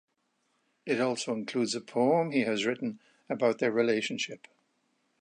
It also includes a poem he has written about their relationship.